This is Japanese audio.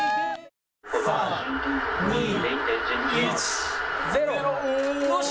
３、２、１、０。